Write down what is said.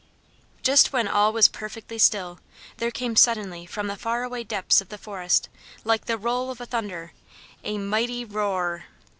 Just when all was perfectly still, there came suddenly from the far away depths of the forest, like the roll of thunder, a mighty ROAR R R R!